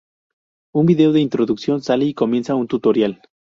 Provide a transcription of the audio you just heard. Un vídeo de introducción sale y comienza un tutorial.